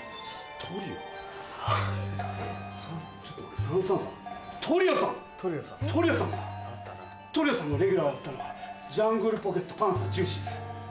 『トリオさん』のレギュラーだったのはジャングルポケットパンサージューシーズ。